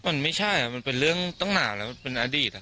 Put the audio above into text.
มันไม่ใช่มันเป็นเรื่องตั้งหนาวแล้วเป็นอดีต